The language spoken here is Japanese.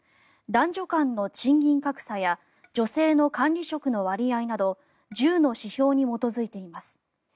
男女間の賃金格差や女性の管理職の割合など１０の指標に基づいています。